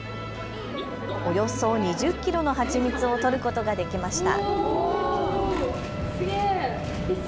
およそ２０キロの蜂蜜を採ることができました。